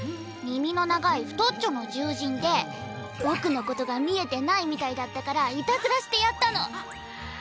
耳の長い太っちょの獣人で僕のことが見えてないみたいだったからいたずらしてやったの。